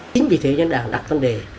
chính vì thế nhân đảng đặt vấn đề